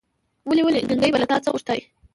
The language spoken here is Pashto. ولي! ولي! کڼکۍ به له تا څه غوښتاى ،